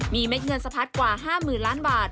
มีเม็ดเงินสะพัดกว่า๕๐๐๐ล้านบาท